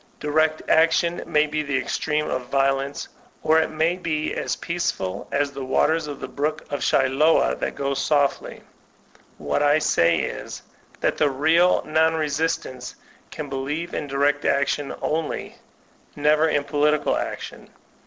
Direct action may be the extreme of violence, or it may be as peaceful as the waters of the Brook of Siloa that go softly. What I say is, that the real non resistants can believe in direct action only, never in political action.